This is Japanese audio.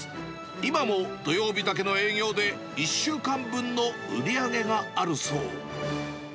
今も土曜日だけの営業で、１週間分の売り上げがあるそう。